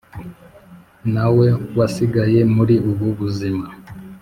na we wasigaye muri ubu buzima